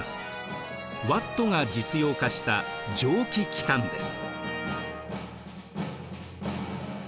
ワットが実用化した蒸気機関です。